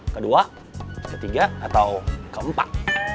kedua ketiga atau keempat